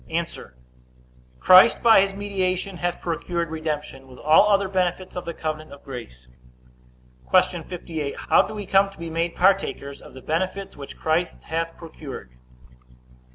A. Christ, by his mediation, hath procured redemption, with all other benefits of the covenant of grace. Q. 58. How do we come to be made partakers of the benefits which Christ hath procured?